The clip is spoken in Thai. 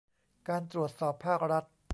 การตรวจสอบภาครัฐ